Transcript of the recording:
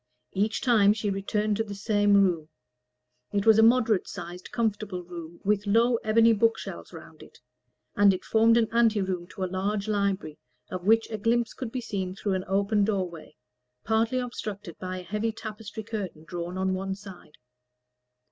Each time she returned to the same room; it was a moderate sized comfortable room, with low ebony bookshelves round it, and it formed an ante room to a large library, of which a glimpse could be seen through an open doorway, partly obstructed by a heavy tapestry curtain drawn on one side.